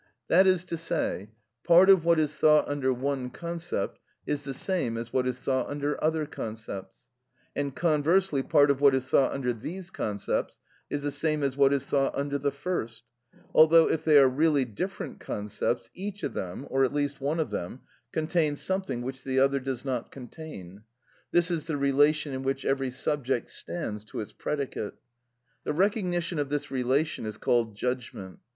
That is to say, part of what is thought under one concept is the same as what is thought under other concepts; and conversely, part of what is thought under these concepts is the same as what is thought under the first; although, if they are really different concepts, each of them, or at least one of them, contains something which the other does not contain; this is the relation in which every subject stands to its predicate. The recognition of this relation is called judgment.